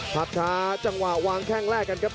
ภาพช้าจังหวะวางแข้งแรกกันครับ